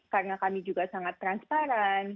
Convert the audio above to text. karena kami juga sangat transparan